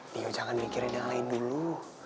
dia jangan mikirin yang lain dulu